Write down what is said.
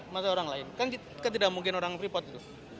masa orang lain kan tidak mungkin orang freeport gitu